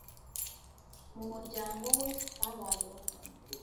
Mu muryango we habaye urupfu.